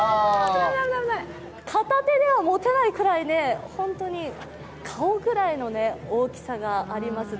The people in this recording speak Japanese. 片手では持てないくらい顔ぐらいの大きさがあります。